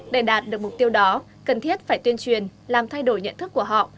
để đạt được mục tiêu đó cần thiết phải tuyên truyền làm thay đổi nhận thức của họ